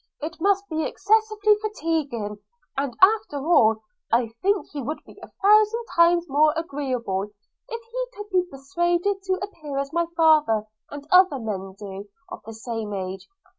it must be excessively fatiguing; and after all, I think he would be a thousand times more agreeable, if he could be persuaded to appear as my father and other men do, of the same age.